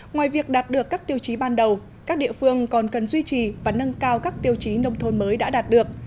ngoài việc đạt được các tiêu chí ban đầu các địa phương còn cần duy trì và nâng cao các tiêu chí nông thôn mới đã đạt được